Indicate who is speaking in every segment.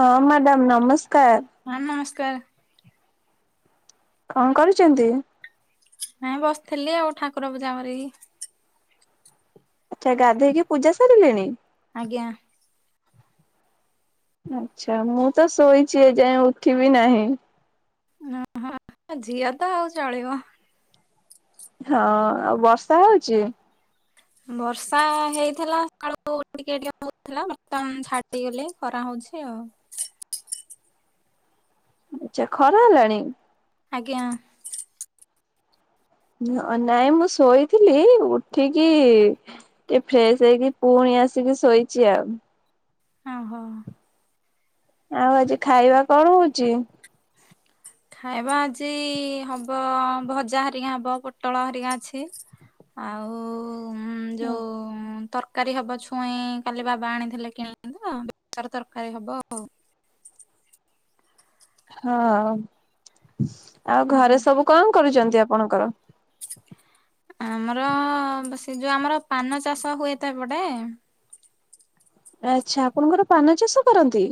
Speaker 1: ହଁ ମ୍ୟାଡ଼ାମ ନମସ୍କାର ।
Speaker 2: ହଁ ନମସ୍କାର ।
Speaker 1: କଣ କରୁଛନ୍ତି?
Speaker 2: ଆ ବସିଥିଲି ଆଉ, ଠାକୁର ପୂଜା କରିକି।
Speaker 1: ଆଛା, ଗାଧେଇକି ପୂଜା ସାରିଲେଣି?
Speaker 2: ଆଜ୍ଞା ।
Speaker 1: ଆଛା, ମୁଁ ତ ଶୋଇଛି ଏଯାଏଁ ଉଠିବି ନାହିଁ ।
Speaker 2: ହ ଝିଅ ତ ଆଉ ଚଳିବ ।
Speaker 1: ହଁ, ଆଉ ବର୍ଷା ହଉଚି?
Speaker 2: ବର୍ଷା ହେଇଥିଲା, ସକାଳୁ ଟିକେ ଟିକେ ହଉଥିଲା, ବର୍ତ୍ତମାନ ଛାଡି ଗଲେ, ଖରା ହ ଅଛି ଆଉ
Speaker 1: ଆଛା, ଖରା ହେଲାଣି?
Speaker 2: ଆଜ୍ଞା।
Speaker 1: ନ ନାଇଁ ମୁଁ ଶୋଇଥିଲି ଉଠିକି ଟିକେ ଫ୍ରେଶ ହେଇକି, ପୁଣି ଆସିକି ଶୋଇଛି ଆଉ
Speaker 2: ହ ହୋ।
Speaker 1: ଆଉ ଆଜି ଖାଇବା କଣ ହଉଚି?
Speaker 2: ଖାଇବା ଆଜି ହବ ଭଜା ହେରିକା ହବ, ପୋଟଳ ହେ ରିକା ଅଛି। ଆଉ ଯୋଉ ତର୍ ତରକାରୀ ହବ ଛୁଇଁ କାଲି ବାବା ଆଣିଥିଲେ କିଣିକି ତ, ତାକୁ ତରକାରୀ ହବ ଆଉ [unintelligible]
Speaker 1: ହଁ ଆଉ
Speaker 2: ଆଜ୍ଞା
Speaker 1: ଘରେ ସବୁ କଣ କରୁଛନ୍ତି? ଆପଣଙ୍କର?
Speaker 2: ଆମର ସେ ଯୋଉ ଆମର ପାନ ଚାଷ ହୁଏତ ଏପଟେ।
Speaker 1: ଆଛା, ଆପଣଙ୍କର ପାନ ଚାଷ କରନ୍ତି?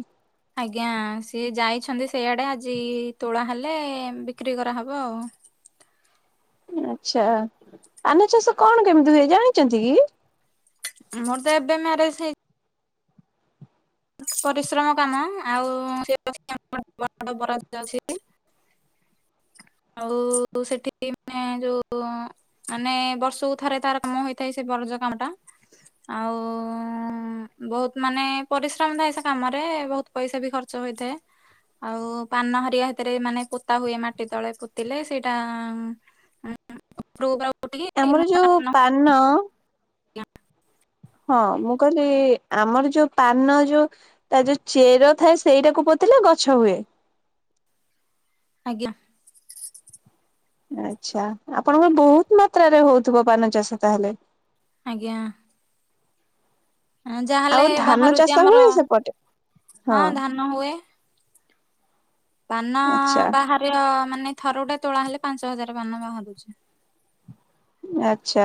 Speaker 2: ଆଜ୍ଞା ସିଏ ଯାଇଛନ୍ତି ସେଇଆଡେ ଆଜି ତୋଳା ହେଲେ ବିକ୍ରି କରାହେବ ଆଉ [unintelligible]
Speaker 1: ଆଛା ପାନ ଚାଷ କଣ କେମିତି ହୁଏ ଜାଣିଛନ୍ତି କି?
Speaker 2: ମୋର ତ ଏବେ ମ୍ୟାରେଜ ହେଇଛି। ପରିଶ୍ରମ କାମ ଆଉ [unintelligible] ବରାଦ୍ ଅଛି [inaudible] ଆଉ ସେଠି ମାନେ ଯୋଉ ମାନେ ବର୍ଷକୁ ଥରେ ତାର କାମ ହେଇଥାଏ ସେ ବ ପ୍ରୋଜ କାମଟା ଆଉ ବହୁତ ମାନେ ପରିଶ୍ ମ ଥାଏ ସେ କାମରେ ବହୁତ ପଇସା ବି ଖର୍ଚ୍ଚ ହେଇଥାଏ। ଆଉ ପାନ ହେରିକା ହେତିରେ ମାନେ ପୋତା ହୁଏ ମାଟି ତଳେ ପୋତିଲେ ସେଇଟା ମ୍ [unintelligible]
Speaker 1: ଆମର ଯୋଉ ପାନ
Speaker 2: ଜ୍ଞା
Speaker 1: ହଁ ମୁଁ କହିଲି ଆମର ଯୋଉ ପାନ ଯୋଉ ତା ଯୋଉ ଚେର ଥାଏ ସେଇଟା କୁ ପୋତିଲେ ଗଛ ହୁଏ।
Speaker 2: [inaudible] ଆଜ୍ଞା।
Speaker 1: ଆଛା ଆପଣଙ୍କ ବହୁତ ମାତ୍ରାରେ ହଉଥିବ ପାନ ଚାଷ ତାହେଲେ?
Speaker 2: ଆଜ୍ଞା। ହଁ
Speaker 1: ଆଉ
Speaker 2: ଯାହେଲେ
Speaker 1: ଧାନ ଚାଷ
Speaker 2: ବାହାରୁଛି
Speaker 1: ହୁଏ
Speaker 2: ଆମର
Speaker 1: ସେପଟେ
Speaker 2: ହଁ ଧାନ ହୁଏ। ପାନ
Speaker 1: ଆଚ୍ଛା।
Speaker 2: ବାହାରେୟ ମାନେ ଥରୁଟେ ତୋଳା ହେଲେ ପାଞ୍ଚ ହଜାର ପାନ ବାହାରୁଛି।
Speaker 1: ଆଛା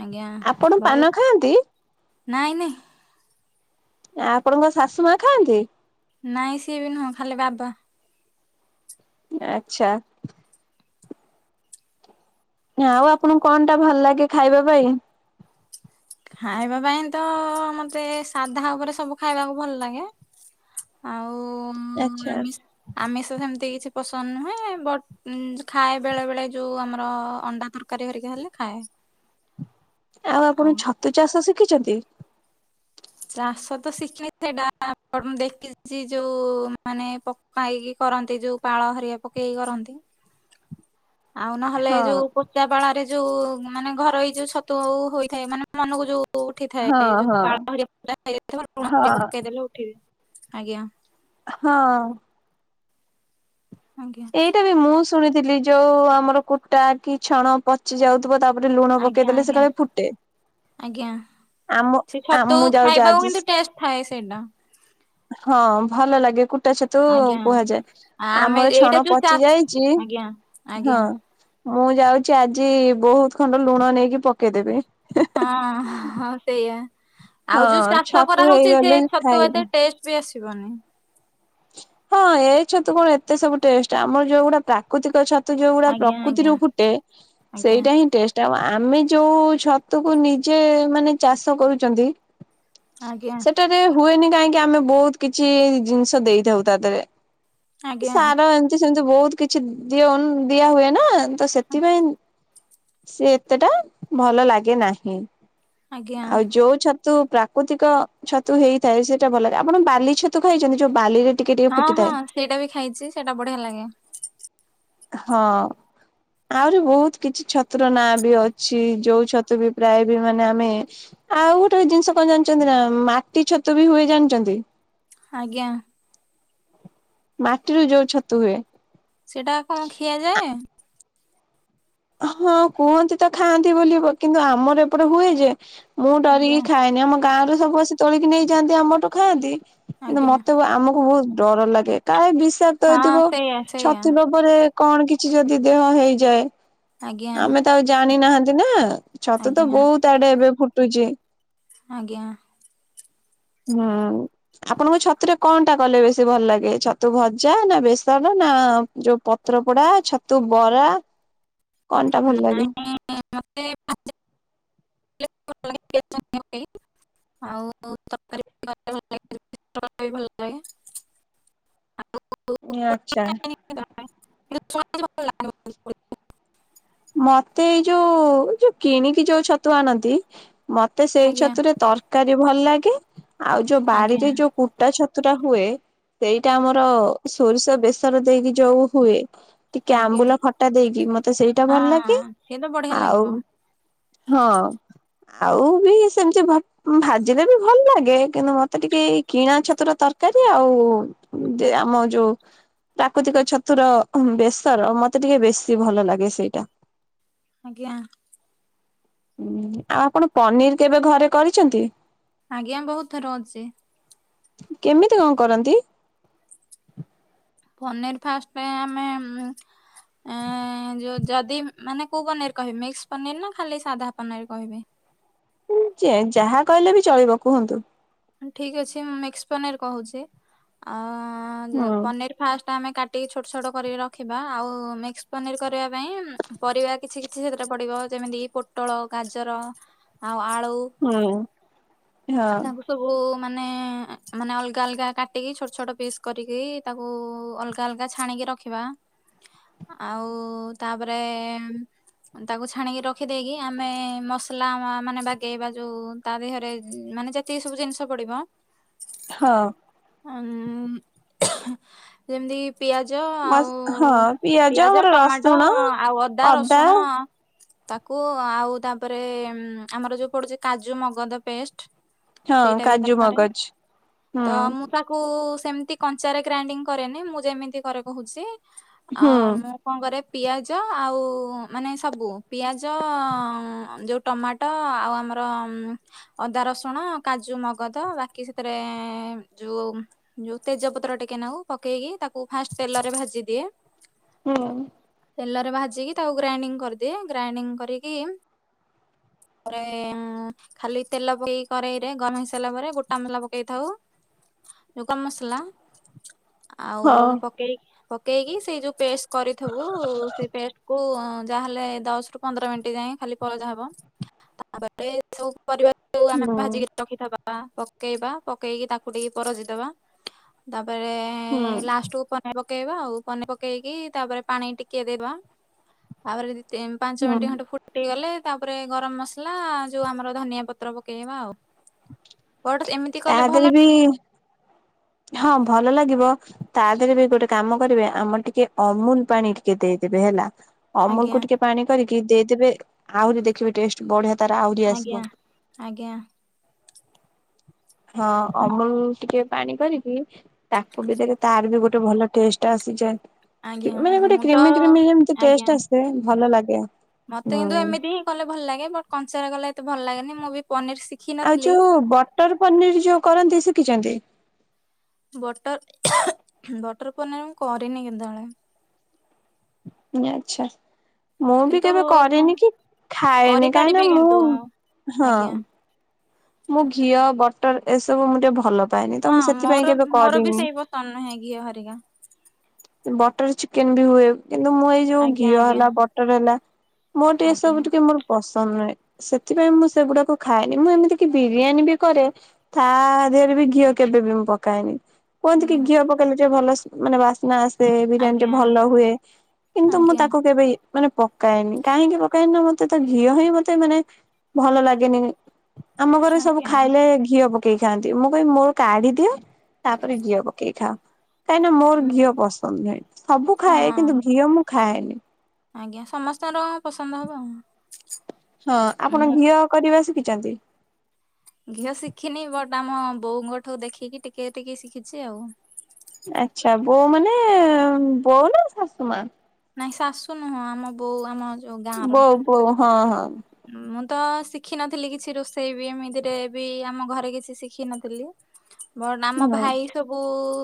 Speaker 2: ଆଜ୍ଞା
Speaker 1: ଆପଣ
Speaker 2: ଭଲ
Speaker 1: ପାନ ଖାଆନ୍ତି?
Speaker 2: ନାଇଁ ନାଇ
Speaker 1: ଆପଣଙ୍କ ଶାଶୁ ମା ଖାଆନ୍ତି?
Speaker 2: ନାଇଁ ସିଏ ବି ନୁହଁ ଖାଲି ବାବା।
Speaker 1: ଆଛା। ଆଉ ଆପଣଙ୍କୁ କଣ ଟା ଭଲ ଲାଗେ ଖାଇବା ପାଇଁ?
Speaker 2: ଖାଇବା ପାଇଁ ତ ମତେ ସାଧା ଉପରେ ସବୁ ଖାଇବାକୁ ଭଲ ଲାଗେ ଆଉ
Speaker 1: ଆଚ୍ଛା
Speaker 2: ଆମିଷ୍ ଆମିଷ ସେମିତି କିଛି ପସନ୍ଦ ନୁହେଁ ବଟ ଖାଏ ବେଳେ ବେଳେ ଯୋଉ ଆମର ଅଣ୍ଡା ତରକାରୀ ହେରିକା ହେଲେ ଖାଏ। [inaudible]
Speaker 1: ଆଉ ଆପଣ ଛତୁ ଚାଷ ଶିଖିଛନ୍ତି?
Speaker 2: ଚାଷ ତ ଶିଖିନି ସେଇଟା ମୁ ଦେଖିଛି ଯୋଉ ମାନେ ପକା ହେଇକି କରା କରନ୍ତି ଯୋଉ ପାଳ ହରିକା ପକେଇ କରନ୍ତି। ଆଉ ନହେଲେ
Speaker 1: ହଁ
Speaker 2: ଯୋଉ ପଚା ବାଳାରେ ଯୋଉ ମାନେ ଘର ଏଇ ଯୋଉ ଛତୁ ହୋଇଥାଏ ମାନେ ମନକୁ ଯୋଉ
Speaker 1: ହଁ
Speaker 2: ଉଠିଥାଏ ଯୋଉ
Speaker 1: ହଁ
Speaker 2: ପାଳ [unintelligible] ହେଇଯାଇଥିବ ଲୁଣ ଟିକେ
Speaker 1: ହଁ
Speaker 2: ପକେଇଦେଲେ ଉଠିବ। ଆଜ୍ଞା।
Speaker 1: ହଁ।
Speaker 2: ଆଜ୍ଞା
Speaker 1: ଏଇଟା ବି ମୁଁ ଶୁଣିଥିଲି ଯୋଉ ଆମର କୁଟା କି ଛଣ ପଚି ଯାଉଥିବ ତା ପରେ ଲୁଣ
Speaker 2: ଆଜ୍ଞା
Speaker 1: ପକେଇଦେଲେ ସେ
Speaker 2: ଆଜ୍ଞା
Speaker 1: ଖାଲି ଫୁଟେ।
Speaker 2: ଆଜ୍ଞା
Speaker 1: ଆମ
Speaker 2: ସେ
Speaker 1: ଆ
Speaker 2: ଛତୁ
Speaker 1: ମୁଁ ଯାଉଛି
Speaker 2: ଖାଇବାକୁ
Speaker 1: ଆଜି
Speaker 2: କିନ୍ତୁ ଟେଷ୍ଟ ଥାଏ ସେଇଟା।
Speaker 1: ହଁ ଭଲ ଲାଗେ କୁ ଟା ଛତୁ
Speaker 2: ଆଜ୍ଞା
Speaker 1: କୁହାଯାଏ।
Speaker 2: ଆମେ
Speaker 1: ଆମର
Speaker 2: ଏଇଟା
Speaker 1: ଛଣ
Speaker 2: ଯୋଉ
Speaker 1: ପଚି
Speaker 2: ଚାଷ
Speaker 1: ଯାଇଛି
Speaker 2: ଆଜ୍ଞା ଆଜ୍ଞା
Speaker 1: ହଁ ମୁଁ ଯାଉଛି ଆଜି ବହୁତ ଖଣ୍ଡ ଲୁଣ ନେଇକି ପକେଇଦେବି।
Speaker 2: ହଁ ହଁ ସେଇଆ।
Speaker 1: ହଁ
Speaker 2: ଆଉ ଯୋଉ ଚାଷ
Speaker 1: ଛତୁ
Speaker 2: କରାହଉଛି ସେ
Speaker 1: ହେଇଗଲେ
Speaker 2: ଛତୁ
Speaker 1: ଖାଇବି।
Speaker 2: ଏତେ ଟେଷ୍ଟ ବି ଆସିବନି।
Speaker 1: ହଁ ଏଇ ଛତୁ କଣ ଏତେ ସବୁ ଟେଷ୍ଟ ଆମର ଯୋଉ ଗୁଡା ପ୍ରାକୃତିକ ଛତ୍ ତୁ ଯୋଉଗୁଡା
Speaker 2: ଆଜ୍ଞା ଆଜ୍ଞା
Speaker 1: ପ୍ରକୃତିରୁ ଫୁଟେ
Speaker 2: ଆଜ୍ଞା
Speaker 1: ସେଇଟା ହିଁ ଟେଷ୍ଟ। ଟା ଆମେ ଯୋଉ ଛତୁକୁ ନିଜେ ମାନେ ଚାଷ କରୁଛନ୍ତି
Speaker 2: ଆଞା।
Speaker 1: ସେଟାରେ ହୁଏନି କାହିଁକି ଆମେ ବହୁତ କିଛି ଜିନିଷ ଦେଇଥାଉ ତା ଦେହରେ
Speaker 2: ଆଜ୍ଞା
Speaker 1: ସାର ଏମତି ସେମିତି ବହୁତ କିଛି ଦିଅ ନ ଦିଆ ହୁଏ ନା। ତ ସେଥିପାଇଁ ସିଏ ଏତେଟା ଭଲ ଲାଗେ ନାହିଁ।
Speaker 2: ଆଜ୍ଞା।
Speaker 1: ଆଉ ଯୋଉ ଛ ଛତୁ ପ୍ରାକୃତିକ ଛତୁ ହେଇଥାଏ? ସେଇଟା ଭଲ ଲାଗେ। ଆପଣ ବାଲି ଛତୁ ଖାଇଛନ୍ତି? ଯୋଉ ବାଲିରେ ଟିକେ ଟିକେ
Speaker 2: ହଁ ହଁ
Speaker 1: ଫୁଟିଥାଏ
Speaker 2: ସେଇଟା ବି ଖାଇଛି। ସେଇଟା ବଢିଆ ଲାଗେ।
Speaker 1: ହଁ। ଆହୁରି ବହୁତ କିଛି ଛତୁର ନାଁ ବି ଅଛି। ଯୋଉ ଛତୁ ବି ପ୍ରାୟ ବି ମାନେ ଆମେ ଆଉ ଗୋଟେ ଜିନିଷ କଣ ଜାଣିଛନ୍ତି ନା ମାଟି ଛତୁ ବି ହୁଏ ଜାଣିଛନ୍ତି?
Speaker 2: ଆଜ୍ଞା।
Speaker 1: ମାଟିରୁ ଯୋଉ ଛତୁ ହୁଏ?
Speaker 2: ସେଟା କଣ ଖିଆଯାଏ?
Speaker 1: ହଁ କୁହନ୍ତି ତ ଖାଆନ୍ତି ବୋଲି କିନ୍ତୁ, ଆମର ଏପଟେ ହୁଏ ଯେ ମୁଁ
Speaker 2: ଆଜ୍ଞା
Speaker 1: ଡରିକି ଖାଏନି। ଆମ ଗାଁରୁ ସବୁ ଆସି ତୋଳିକି ନେଇଯାଆନ୍ତି, ଆମଠୁ ଖାଆନ୍ତି। କିନ୍ତୁ
Speaker 2: ଆଜ୍ଞା
Speaker 1: ମତେ ଆମକୁ ବହୁତ ଡର ଲାଗେ କାଳେ ବିସ କ୍ତ
Speaker 2: ହଁ
Speaker 1: ହେଇଥିବ
Speaker 2: ସେଇଆ ସେଇଆ
Speaker 1: ଛତୁ ଲୋଭରେ କଣ କିଛି ଯଦି ଦେହ ହେଇଯାଏ?
Speaker 2: ଆଜ୍ଞା
Speaker 1: ଆମେ ତ ଆଉ ଜାଣି ନାହାନ୍ତି ନା? ଛତୁ ତ
Speaker 2: ଆଜ୍ଞା
Speaker 1: ବହୁତ ଆଡେ ଏବେ ଫୁଟୁଛି।
Speaker 2: ଆଜ୍ଞା।
Speaker 1: ହୁଁ ଆପଣଙ୍କୁ ଛତୁରେ କଣ ଟା କଲେ ବେଶୀ ଭଲ ଲାଗେ? ଛତୁ ଭଜା ନା ବେସର ନା ଯୋଉ ପତ୍ର ପୋଡା, ଛତୁ ବରା କଣ ଟା ଭଲ ଲାଗେ?
Speaker 2: ନାଇଁ [inaudible] ଆଉ [inaudible] ତରକାରୀ ଭଲ ଲାଗେ?
Speaker 1: ଆଚ୍ଛା ।
Speaker 2: [unintelligible]
Speaker 1: ମତେ ଏଇ ଯୋଉ ଯୋଉ କିଣିକି ଯୋଉ ଛତୁ ଆଣନ୍ତି? ମତେ ସେଇ
Speaker 2: ଆଜ୍ଞା
Speaker 1: ଛତୁରେ ତରକାରୀ ଭଲ ଲାଗେ। ଆଉ ଯୋଉ
Speaker 2: ଆଜ୍ଞା।
Speaker 1: ବାଡିରେ ଯୋଉ କୁଟା ଛତୁ ଛତୁ ଟା ହୁଏ ସେଇଟା ଆମର ସୋରିଷ ବେସର ଦେଇକି ଯୋଉ ହୁଏ। ଟିକେ
Speaker 2: ଆଜ୍ଞା
Speaker 1: ଆମ୍ବୁଲ ଖଟା ଦେଇକି ମତେ ସେଇଟା
Speaker 2: ହଁ
Speaker 1: ଭଲ ଲାଗେ।
Speaker 2: ସିଏ ତ ବଢିଆ
Speaker 1: ଆଉ
Speaker 2: ଲାଗିବ
Speaker 1: ହଁ। ଆଉ ବି ସେମିତି ଭ ଭାଜିଲେ ବି ଭଲ ଲାଗେ। କିନ୍ତୁ ମତେ ଟିକେ ଏଇ କିଣା ଛତୁର ତ ତରକାରୀ ଆଉ ଆମ ଯୋଉ ପ୍ରାକୃତିକ ଛତୁର ବେସର ମତେ ଟିକେ ବେଶୀ ଭଲ ଲାଗେ ସେଇ।
Speaker 2: ଆଜ୍ଞା।
Speaker 1: ହଁ ଆଉ ଆପଣ ପନିର କେବେ ଘରେ କରିଛନ୍ତି?
Speaker 2: ଆଜ୍ଞା ବହୁତ ଥର ଅଛି।
Speaker 1: କେମିତି କଣ କରନ୍ତି?
Speaker 2: ପନିର ଫାଷ୍ଟ ଆମେ ଏ ଯୋଉ ଯଦି ମାନେ କୋଉ ପନିର କହିବି? ମିକ୍ସ ପନିର ନା ଖାଲି ସାଧା ପନିର କହିବି?
Speaker 1: ଯାହା କହିଲେ ବି ଚଳିବ କୁହନ୍ତୁ।
Speaker 2: ଠିକ ଅଛି। ମୁଁ ମିକ୍ସ ପନିର କହୁଛି। ଆ
Speaker 1: ହୁଁ
Speaker 2: ପନିର ଫାଷ୍ଟ ଟ ଆମେ କାଟିକି ଛୋଟ ଛୋଟ କରିକି ରଖିବା। ଆଉ ମିକ୍ସ ପନିର କରିବା ପାଇଁ ପରିବା କିଛି କିଛି ସେଥିରେ ପଡିବ। ଯେମିତି କି ପୋଟଳ, ଗଜାର ଆଉ ଆ
Speaker 1: ହୁଁ। ହଁ
Speaker 2: ଆ ତାଙ୍କୁ ସବୁ ମାନେ ମାନେ ଅଲଗା ଅଲଗା କାଟିକି, ଛୋଟ ଛୋଟ ପିସ୍ କରିକି ତାକୁ ଅଲଗା ଅଲଗା ଛାଣିକି ରଖିବା। ଆଉ ତାପରେ ତାକୁ ଛାଣିକି ରଖିଦେଇକି ଆମେ ମସଲା ମାନେ ବାଗେଇବା, ଯୋଉ ତା ଦେହରେ ଉମ୍ ମାନେ ଯେତିକି ସବୁ ଜିନିଷ ପଡିବ?
Speaker 1: ହଁ।
Speaker 2: ଆ ଯେମିତି ପିଆଜ
Speaker 1: ମସ୍
Speaker 2: ଆଉ
Speaker 1: ହଁ
Speaker 2: ପିଆଜ
Speaker 1: ଆମର
Speaker 2: ଟମାଟୋ
Speaker 1: ରସୁଣ
Speaker 2: ଆଉ ଅଦା ରସୁଣ। ତାକୁ ଆଉ ତାପରେ ଆମର ଯୋଉ ପଡୁଛି କାଜୁ ମଗଦ ପେଷ୍ଟ।
Speaker 1: ହଁ
Speaker 2: ସେଇଟା ବି
Speaker 1: କାଜୁ
Speaker 2: ଦରକାର
Speaker 1: ମଗଜ ହୁଁ
Speaker 2: ତ ମୁଁ ତାକୁ। ସେମିତି କଞ୍ଚାରେ ଗ୍ରାଇଣ୍ଡିଙ୍ଗ କରେନି ମୁଁ ଯେମିତି କରେ କହୁଛି ଆ
Speaker 1: ହୁଁ
Speaker 2: ମୁଁ କଣ କରେ। ପିଆଜ ଆଉ ମାନେ ସବୁ ପିଆଜ ଯୋଉ ଟମାଟୋ ଆଉ ଆମ ରମ୍ ଅଦା ରସୁଣ କାଜୁ ମଗଦ ବାକି ସେଥିରେ ଯୋଉ ଯୋଉ ତେଜପତ୍ର ଟିକେ ପକେଇକି ତାକୁ ଫାଷ୍ଟ ତେଲରେ ଭାଜି ଦିଏ।
Speaker 1: ହୁଁ।
Speaker 2: ତେଲରେ ଭାଜିକି ତାକୁ ଗ୍ରାଇଣ୍ଡିଙ୍ଗ କରିଦିଏ ଗ୍ରାଇଣ୍ଡିଙ୍ଗ କରିକି ରେ ଉଁ ଖାଲି ତେଲ ପକେଇ କରୋଇ ରେ ଗରମ ହେଇ ସାରିଲା ପରେ ଗୋଟା ମସଲା ପକେଇଥାଉ। ଲୁଗା ମସଲା। ଆଉ
Speaker 1: ହଁ
Speaker 2: ପକେଇି ପକେଇକି ସେଇ ଯୋଉ ପେଷ୍ଟ କରିଥିବୁ ସେ ପେଷ୍ଟ କୁ ଯାହାଲେ ଦଶ ରୁ ପନ୍ଦର ମିନିଟ ଯାଏ ଖାଲି ପଜା ହବ ତାପରେ ଯୋଉ ପରିବା ଯୋଉ ଆମେ
Speaker 1: ହୁଁ
Speaker 2: ଭାଜିକି ରଖିଥିବା। ପକେଇବା ପକେଇକି ତାକୁ ଟିକେ ପରଜିଦବା ତାପ ତାପରେ
Speaker 1: ହୁଁ
Speaker 2: ଲାଷ୍ଟକୁ ପନିର ପକେଇ ପକେଇବା ଆଉ ପନି ପକେଇକି ତାପରେ ପାଣି ଟିକେ ଦେବା ତାପରେ ପାଞ୍ଚ
Speaker 1: ହୁଁ
Speaker 2: ମିନିଟ୍ ଖଣ୍ଟେ ଫୁଟିଗଲେ ତାପରେ ଗରମ ମସଲା ଯୋଉ ଆମର ଧନିଆ ପତ୍ର ପକେଇବା ଆଉ ବଟ ଏମିତି
Speaker 1: ତା
Speaker 2: କଲେ ଭଲ।
Speaker 1: ଦେହରେ ବି ହଁ ଭଲ ଲାଗିବ ତା ଦେହରେ ବି ଗୋଟେ କାମ କରିବେ ଆମର ଟିକେ ଅମୁଲ ପାଣି ଟିକେ ଦେଇ କେବେ ହେଲା ଅମୁଲ୍
Speaker 2: ଆଜ୍ଞା
Speaker 1: କୁୁ ଟିକେ ପାଣି କରିକି ଦେଇଦେବେ ଆହୁରି ଦେଖିବେ ଟେଷ୍ଟ ବଢିଆ ତ ଆହୁରି
Speaker 2: ଆଜ୍ଞା
Speaker 1: ଆସବ।
Speaker 2: ଆଜ୍ଞା
Speaker 1: ହଁ
Speaker 2: ମ-
Speaker 1: ଅମୁଲ୍ ଟିକେ ପାଣି କରିକି ତାକୁ ଭିତରେ ତାର ବି ଗୋଟେ ଟୁ ଭଲ ଟେଷ୍ଟ
Speaker 2: ଆଜ୍ଞା
Speaker 1: ଆସିଯାଏ ମାନେ ଗୋଟେ
Speaker 2: ମୁଁ ତ
Speaker 1: କ୍ରିମି କ୍ରିମି ଯେମିତି
Speaker 2: ଆଜ୍ଞା
Speaker 1: ଟେଷ୍ଟ ଆସେ ଭଲ ଲାଗେ।
Speaker 2: ମତେ
Speaker 1: ହୁଁ।
Speaker 2: କିନ୍ତୁ ଏମିତି ହିଁ କଲେ ଭଲ ଲାଗେ ବଟ କଞ୍ଚରା କଲେ ଏତେ ଭଲ ଲାଗେନି ମୁଁ ବି ପନିର ଶିଖି
Speaker 1: ଆଉ
Speaker 2: ନଥିଲି
Speaker 1: ଯୋଉ ବଟର ପନିର ଯୋଉ କରନ୍ତି ଶିଖିଛନ୍ତି?
Speaker 2: ବଟର ବଟର ପନିର ମୁଁ କରିନି କେତେବେଳେ।
Speaker 1: ନି ଆଚ୍ଛା। ମୁଁ ବି
Speaker 2: କିନ୍ତୁ
Speaker 1: କେବେ
Speaker 2: କଣ
Speaker 1: କରେନି କି ଖାଏନି କାହିଁକ
Speaker 2: କରିପାରିବି
Speaker 1: ନା ମୁଁ
Speaker 2: କିନ୍ତୁ
Speaker 1: ହଁ।
Speaker 2: ଆଜ୍ଞା
Speaker 1: ମୁଁ ଘିଅ ବଟର ଏସବୁ ମୁଁ ଟିକେ ଭଲ ପାଏନି ତ
Speaker 2: ହଁ
Speaker 1: ମୁଁ ସେଥିପାଇଁ
Speaker 2: ମୋର
Speaker 1: କେବେ
Speaker 2: ମୋର ବି
Speaker 1: କରିନି।
Speaker 2: ସେଇ ପତନ ନୁହେଁ ଘିଅ ହରିକା।
Speaker 1: ବଟର ଚିକେନ ବି ହୁଏ କିନ୍ତୁ ମୁଁ ଏଇ ଯୋଉ
Speaker 2: ଆଜ୍ଞା
Speaker 1: ଘିଅ
Speaker 2: ଆଜ୍ଞା
Speaker 1: ହେଲା ବଟର ହେଲା ମୋର ଟିକେ ଏ ସବୁ
Speaker 2: ଆଜ୍ଞା
Speaker 1: ଟିକେ ମୋର ପସନ୍ଦ ନୁହେଁ ସେଥିପାଇଁ ମୁଁ ସେଗୁଡାକୁ ଖାଏନି ମୁଁ ଏମିତି ବିରିୟାନୀ ବି କରେ ତା ଦେହରେ ବି ଘିଅ କେବେ ବି ମୁଁ ପକାଏନି। କୁହନ୍ତି କି
Speaker 2: ଆଜ୍ଞା
Speaker 1: ଘିଅ ପକେଇଲେ ଟେ ଭଲ ମାନେ ବାସ୍ନା ଆସ ସେ ବିରିୟାନୀ ଟି
Speaker 2: ଆଜ୍ଞା
Speaker 1: ଭଲ ହୁଏ କିନ୍ତୁ ମୁଁ
Speaker 2: ଆଜ୍ଞା
Speaker 1: ତାକୁ କେବେ ଇଏ ମାନେ ପକାଏନି କାହିଁକି ପକାଏନି ନା ମତେ ତ ଘିଅ ହିଁ ମତେ ମାନେ ଭଲ ଲାଗେନି। ଆମ ଘରେ ସବୁ
Speaker 2: ଆଜ୍ଞା
Speaker 1: ଖାଇଲେ ଘିଅ ପକ ପକେଇ ଖାଆନ୍ତି ମୁଁ କହିବି ମୋର କାଢି ଦିଅ ତାପରେ ଘିଅ ପକେଇ ଖାଅ କାହିଁକିନା ମୋର ଘିଅ ପସ ବୋଧେ ସବୁ ଖାଏ
Speaker 2: ହଁ
Speaker 1: କିନ୍ତୁ ଘଝିଅ ମୁଁ ଖାଏନି।
Speaker 2: ଆଜ୍ଞା ସମସ୍ତଙ୍କର ପସନ୍ଦ ହବ ଆଉ।
Speaker 1: ହଁ ଆପଣ ଘିଅ କରିବା ଶିଖିଛନ୍ତି?
Speaker 2: ଘିଅ ଶିଖିନି ବଟ୍ ଆମ ବୋଉଙ୍କ ଠକୁ ଦେଖିକି ଟିକେ ଟିକେ ଶିଖିଛି ଆଉ।
Speaker 1: ଆଚ୍ଛା ବୋଉ ମାନେ ବଉ ନା ଶାଶୁମା?
Speaker 2: ନାଇଁ ଶାଶୁ ନୁହଁ ଆମ ବୋଉ ଆମ ଯୋଉ ଗାଁ ର।
Speaker 1: ବୋଉ ବୋଉ ହଁ ହଁ।
Speaker 2: ମୁଁ ତ ଶିଖିନଥିଲି କିଛି ରୋଷେଇ ବି ଏମିତିରେ ବି ଆମ ଘରେ କିଛି ଶିଖିନଥିଲି। ଵଟ୍ ଆମ
Speaker 1: ହଁ
Speaker 2: ଭାଇ ସବୁ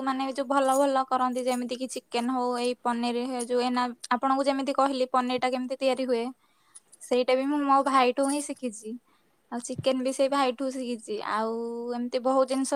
Speaker 2: ମାନେ ଯୋଉ ଭଲ ଭଲ କରନ୍ତି ଯେମିତି କି ଚିକେନ ହଉ ଏଇ ପନିର ହେ ଯୋଉ ଏନା ଆପଣଙ୍କୁ ଯେମିତି କହିଲେ ପନିରଟା କେମିତି ତିଆରି ହୁଏ ସେଇଟା ବି ମୁଁ ମୋ ଭାଇଠୁ ହିଁ ଶିଖିଛି। ଆଉ ଚିକେନ ବି ସେଇ ଭାଇଠୁ ଶିଖିଛି ଆଉ ଏମିତି ବହୁତ ଜିନିଷ